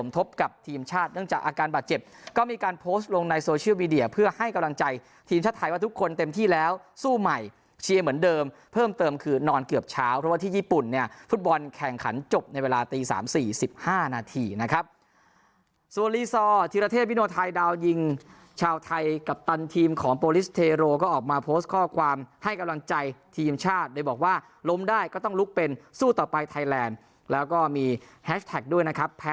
เติมคือนอนเกือบเช้าเพราะว่าที่ญี่ปุ่นเนี่ยฟุตบอลแข่งขันจบในเวลาตี๓๔๕นาทีนะครับส่วนลีซอร์ธิระเทศบิโนไทยดาวน์ยิงชาวไทยกัปตันทีมของโปรลิสเทโรก็ออกมาโพสต์ข้อความให้กำลังใจทีมชาติโดยบอกว่าล้มได้ก็ต้องลุกเป็นสู้ต่อไปไทยแลนด์แล้วก็มีแฮชแท็กด้วยนะครับ